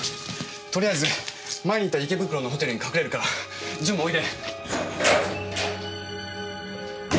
とりあえず前に行った池袋のホテルに隠れるからジュンもおいで。